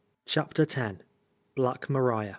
CHAPTER X. "BLACK MABIA."